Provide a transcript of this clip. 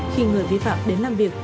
khi người vi phạm đến làm việc